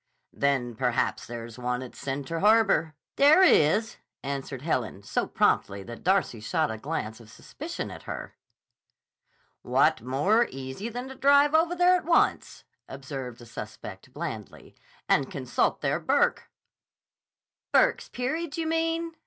"Then perhaps there is one at Center Harbor." "There is," answered Helen, so promptly that Darcy shot a glance of suspicion at her. "What more easy than to drive over there at once," observed the suspect blandly, "and consult their Burke." "Burke's Peerage, you mean?"